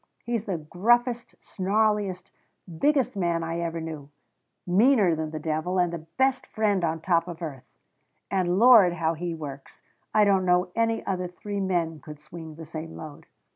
He's the gruffest, snarliest, biggest man I ever knew meaner than the devil, and the best friend on top of earth. And Lord, how he works! I don't know any other three men could swing the same load.